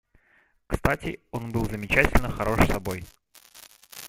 Кстати, он был замечательно хорош собой.